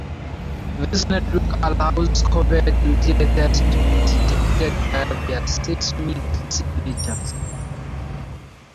This network allows covert nuclear tests to be detected via their seismic signatures.